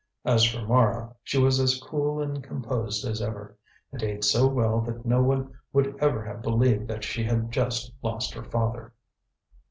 As for Mara, she was as cool and composed as ever, and ate so well that no one would ever have believed that she had just lost her father.